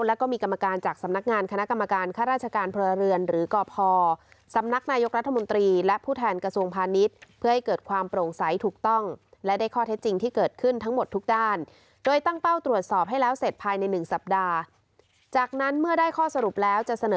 เสร็จภายใน๑สัปดาห์จากนั้นเมื่อได้ข้อสรุปแล้วจะเสนอ